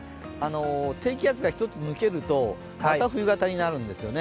低気圧が一つ抜けるとまた冬型になるんですよね。